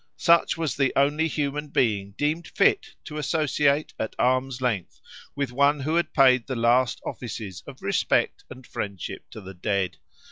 Such was the only human being deemed fit to associate at arm's length with one who had paid the last offices of respect and friendship to the dead.